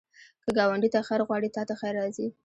که ګاونډي ته خیر غواړې، تا ته خیر راځي